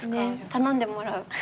頼んでもらう。